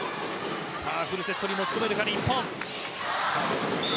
フルセットに持ち込めるか日本。